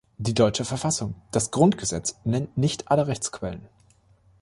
Die deutsche Verfassung, das Grundgesetz, nennt nicht alle Rechtsquellen.